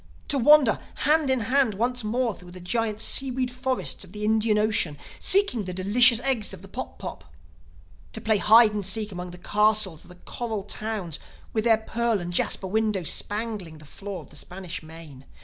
To wander hand in hand once more through the giant seaweed forests of the Indian Ocean, seeking the delicious eggs of the pop pop! To play hide and seek among the castles of the coral towns with their pearl and jasper windows spangling the floor of the Spanish Main!